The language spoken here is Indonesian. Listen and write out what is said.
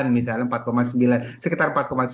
misalnya empat sembilan sekitar empat sembilan